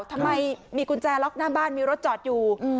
ทำไมมีกุญแจล็อกหน้าบ้านมีรถจอดอยู่